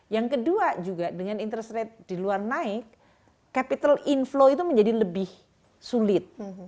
yang kedua juga dengan interest rate di luar naik capital inflow itu menjadi lebih sulit